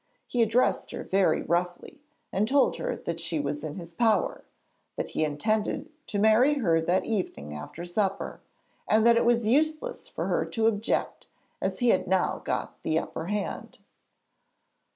He addressed her very roughly, and told her that she was in his power; that he intended to marry her that evening after supper, and that it was useless for her to object as he had now got the upper hand.